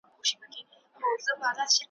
چي پر معصومو جنازو مي له شیطانه سره `